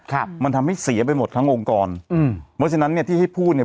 ครับมันทำให้เสียไปหมดทั้งองค์กรอืมเพราะฉะนั้นเนี้ยที่ให้พูดเนี้ย